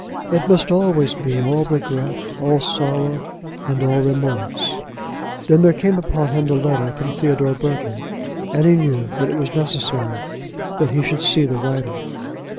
It must always be all regret, all sorrow, and all remorse. Then there came upon him the letter from Theodore Burton, and he knew that it was necessary that he should see the writer.